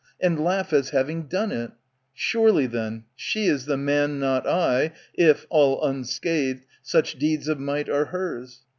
And laugh^as having done it.^ Surely, then, STTels theman, not r,'if, all unscathed. Such deeds of might are hers.